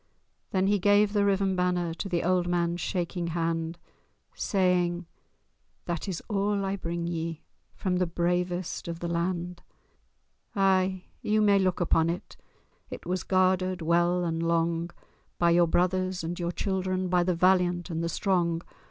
Then he gave the riven banner To the old man's shaking hand, Saying—"That is all I bring ye From the bravest of the land! Ay! ye may look upon it— It was guarded well and long, By your brothers and your children, By the valiant and the strong.